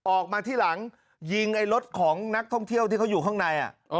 ออกมาที่หลังยิงไอ้รถของนักท่องเที่ยวที่เขาอยู่ข้างใน